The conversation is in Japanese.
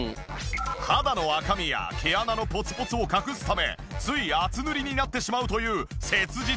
肌の赤みや毛穴のポツポツを隠すためつい厚塗りになってしまうという切実な悩み。